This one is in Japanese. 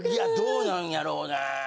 どうなんやろう。